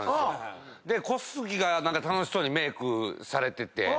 で小杉が何か楽しそうにメイクされてて。